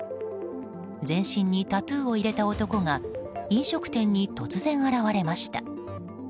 全身にタトゥーを入れた男が飲食店に突然現れました。